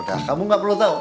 udah kamu nggak perlu tahu